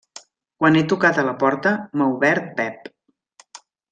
Quan he tocat a la porta, m’ha obert Pep.